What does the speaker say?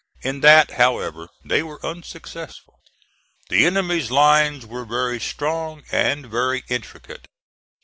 In that, however, they were unsuccessful. The enemy's lines were very strong and very intricate.